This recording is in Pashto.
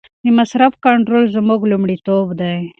د مصرف کنټرول زما لومړیتوب دی.